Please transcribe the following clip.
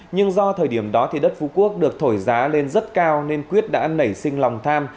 nhưng do thời điểm đó thì đất phú quốc được thổi giá lên rất cao nên quyết đã nảy sinh lòng tham